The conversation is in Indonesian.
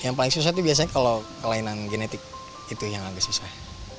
yang paling susah itu biasanya kalau kelainan genetik itu yang agak susah